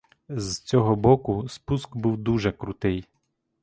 З цього боку спуск був дуже крутий.